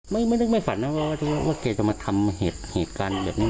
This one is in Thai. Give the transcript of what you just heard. ไม่นึกไม่ฝันนะว่าแกจะมาทำเหตุการณ์แบบนี้